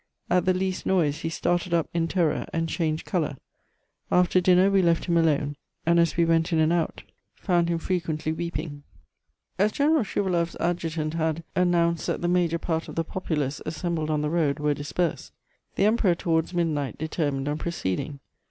At the least noise he started up in terror, and changed colour. After dinner we left him alone, and as we went in and out found him frequently weeping.... "As... General Schouwaloff's Adjutant had... announced that the major part of the populace assembled on the road were dispersed, the Emperor towards midnight determined on proceeding.